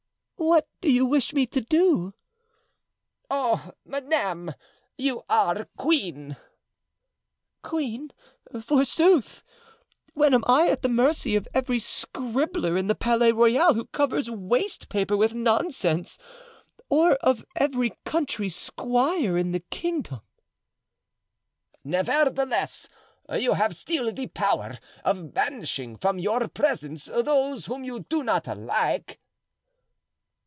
'" "What do you wish me to do?" "Oh, madame! you are the queen!" "Queen, forsooth! when I am at the mercy of every scribbler in the Palais Royal who covers waste paper with nonsense, or of every country squire in the kingdom." "Nevertheless, you have still the power of banishing from your presence those whom you do not like!"